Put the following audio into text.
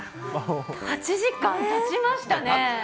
８時間たちましたね。